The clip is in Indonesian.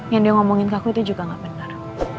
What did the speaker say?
yang dia ngomongin ke aku itu juga gak benar